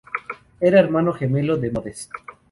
Era hermano gemelo de Modest.